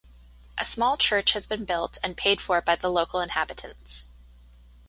A small church has been built and paid for by the local inhabitants.